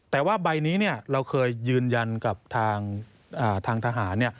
แต่ว่าใบนี้เราเคยยืนยันกับทางทหาร